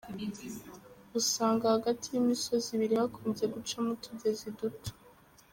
usanga hagati y'imisozi ibiri hakunze gucamo utugezi duto.